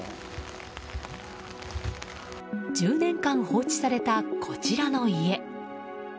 １０年間放置されたこちらの家。